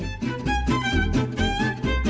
โปรดติดตามตอนต่อไป